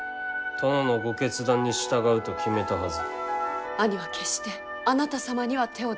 殿のご決断に従うと決めたはず。